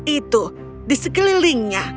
itu di sekelilingnya